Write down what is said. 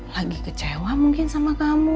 lagi kecewa mungkin sama kamu